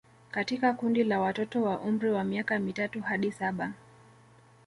Katika kundi la watoto wa umri wa miaka mitatu hadi saba